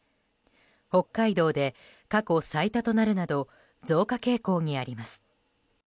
北海道で過去最多となるなど増加傾向にあります。